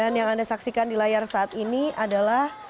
dan yang anda saksikan di layar saat ini adalah